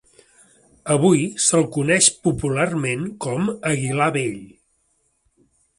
Avui se'l coneix popularment com Aguilar vell.